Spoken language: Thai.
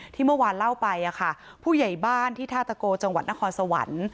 ที่เมื่อวานเล่าไปค่ะผู้ใหญ่บ้านที่ท่าตะโกจังหวัดนครสวรรค์